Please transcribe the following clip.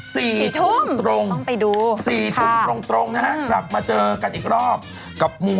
สี่ทุ่มตรงสี่ทุ่มตรงนะครับกลับมาเจอกันอีกรอบสรุปสี่ทุ่มตรงต้องไปดู